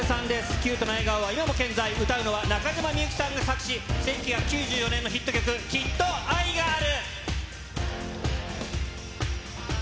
キュートな笑顔は今も健在、歌うのは中島みゆきさんが作詞、１９９４年のヒット曲、きっと愛がある。